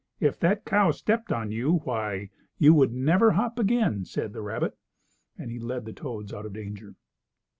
"If that cow stepped on you, why, you would never hop again," said the rabbit, and then he led the toads out of danger.